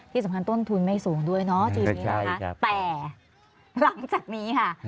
ต้นทุนไม่สูงด้วยเนาะทีนี้นะคะแต่หลังจากนี้ค่ะ